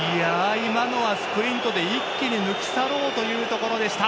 今のはスプリントで一気に抜き去ろうというところでした。